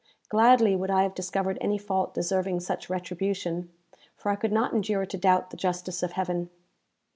Gladly would I have discovered any fault deserving such retribution, for I could not endure to doubt the justice of Heaven.